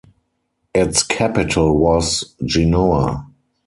Its capital was Genoa.